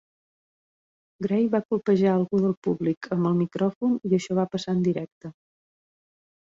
Gray va colpejar algú del públic amb el micròfon, i això va passar en directe.